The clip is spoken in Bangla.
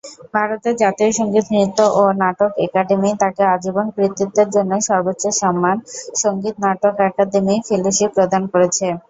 ভারতের জাতীয় সংগীত, নৃত্য ও নাটক একাডেমি তাঁকে আজীবন কৃতিত্বের জন্য সর্বোচ্চ সম্মান, সংগীত নাটক আকাদেমি ফেলোশিপ প্রদান করেছে।